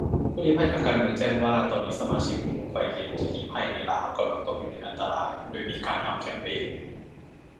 ผู้ลี้ภัยทางการเมืองแจ้งว่า ตอนนี้สมาชิกวงไฟเย็นที่ลี้ภัยในลาวกำลังตกอยู่ในอันตราย-โดยมีการทำแคมเปญ